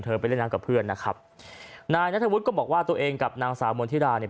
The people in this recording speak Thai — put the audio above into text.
ไปเล่นน้ำกับเพื่อนนะครับนายนัทวุฒิก็บอกว่าตัวเองกับนางสาวมณฑิราเนี่ย